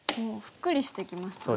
ふっくりしてきましたね。